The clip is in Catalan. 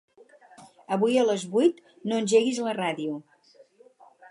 Avui a les vuit no engeguis la ràdio.